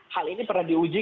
hal ini pernah diuji